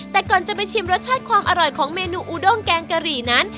แต่ก่อนจะไปชิมรสชาติความอร่อยของเมนูอูด้งแกงกะหรี่นั้น